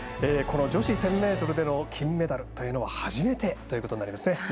この女子１０００ｍでの金メダルというのは初めてということになりますね。